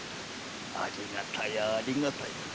ありがたやありがたや。